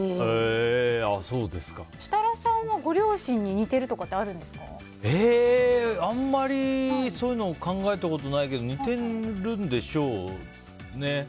設楽さんはご両親に似てるとかってあんまりそういうのは考えたことはないですけど似てるんでしょうね。